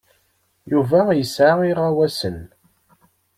Yuba yesɛa iɣawasen.